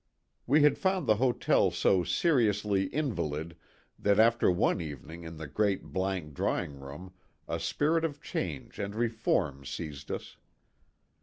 We had found the hotel so seriously "invalid," that after one evening in the great blank draw ing room a spirit of change and reform seized us.